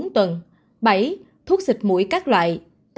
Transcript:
bảy thuốc sịch mũi các loại